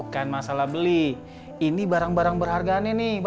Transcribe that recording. tambeng banget sih